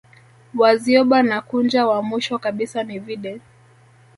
Wazyoba na Kunja wa mwisho kabisa ni vide